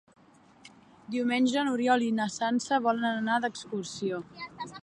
Diumenge n'Oriol i na Sança volen anar d'excursió.